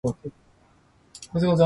風がざわめき、闇が深まっていく。